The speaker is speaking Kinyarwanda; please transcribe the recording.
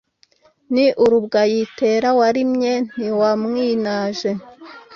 Ni urubwa yitera. Warimye ntiwamwinaje,